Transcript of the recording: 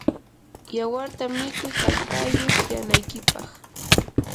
yawarta mikuy kallpayuq kanaykipaq.